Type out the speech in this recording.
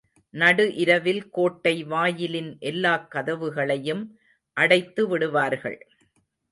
நடு இரவில் கோட்டை வாயிலின் எல்லாக் கதவுகளையும் அடைத்து விடுவார்கள்.